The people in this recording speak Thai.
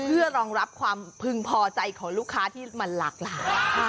เพื่อรองรับความพึงพอใจของลูกค้าที่มันหลากหลาย